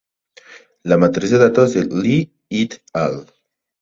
La matriz de datos de Li "et al.